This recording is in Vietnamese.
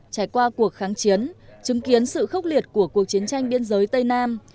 trải qua cuộc kháng chiến chứng kiến sự khốc liệt của cuộc chiến tranh biên giới tây nam